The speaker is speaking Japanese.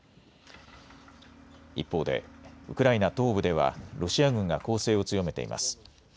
一方でウクライナ東部ではロシア軍が攻勢を強めています。